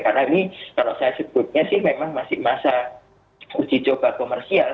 karena ini kalau saya sebutnya sih memang masih masa uji coba komersial